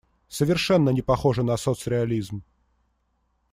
Совершенно не похоже на соцреализм.